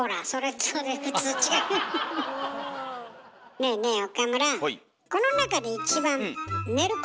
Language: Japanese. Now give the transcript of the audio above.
ねえねえ岡村。